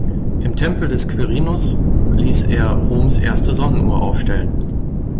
Im Tempel des Quirinus ließ er Roms erste Sonnenuhr aufstellen.